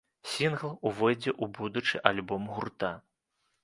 Сінгл увойдзе ў будучы альбом гурта.